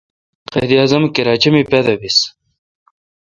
قائد اعظم کراچہ می پادو بیس۔